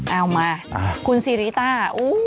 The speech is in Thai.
เอามาคุณซีริต้า